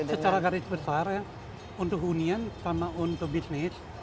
secara garis besar untuk hunian sama untuk bisnis